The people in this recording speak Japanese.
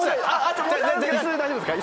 大丈夫ですか？